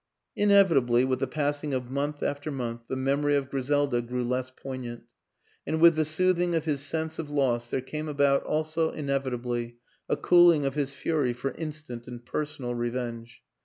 Inevitably, with the passing of month after month, the memory of Griselda grew less poign ant; and with the soothing of his sense of loss there came about, also inevitably, a cooling of his fury for instant and personal revenge.